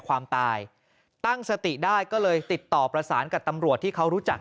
ความตายตั้งสติได้ก็เลยติดต่อประสานกับตำรวจที่เขารู้จัก